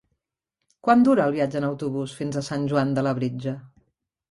Quant dura el viatge en autobús fins a Sant Joan de Labritja?